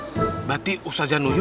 siapa laki laki yang mau sholat isi horoh